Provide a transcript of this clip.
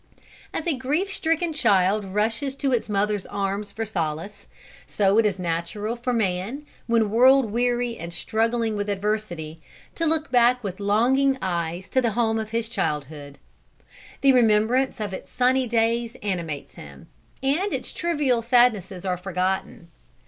As a grief stricken child rushes to its mother's arms for solace, so it is natural for man, when world weary and struggling with adversity, to look back with longing eyes to the home of his childhood. The remembrance of its sunny days animates him, and its trivial sadnesses are forgotten.